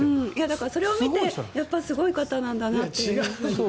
だからそれを見てすごい方なんだなと。